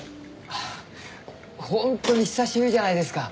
本当に久しぶりじゃないですか。